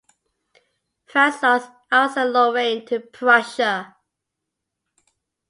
France lost Alsace-Lorraine to Prussia.